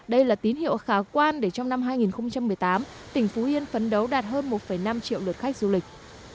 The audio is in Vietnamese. đây là tín hiệu khả quan để trong năm hai nghìn một mươi tám tỉnh phú yên phấn đấu đạt hơn một năm triệu lượt khách du lịch